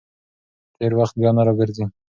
تېر وخت بیا نه راځي.